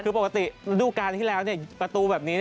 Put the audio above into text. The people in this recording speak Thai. คือปกติฤดูการที่แล้วประตูแบบนี้